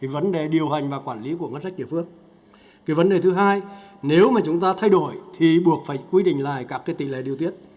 vấn đề thứ hai nếu mà chúng ta thay đổi thì buộc phải quy định lại các tỷ lệ điều tiết